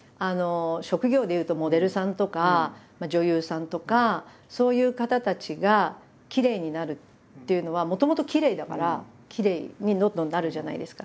職業で言うとモデルさんとか女優さんとかそういう方たちがきれいになるっていうのはもともときれいだからきれいにどんどんなるじゃないですか。